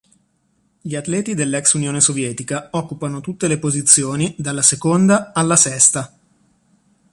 Gli atleti dell'ex Unione Sovietica occupano tutte le posizioni dalla seconda alla sesta.